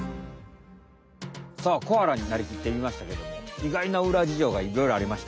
さあコアラになりきってみましたけどもいがいなうらじじょうがいろいろありました。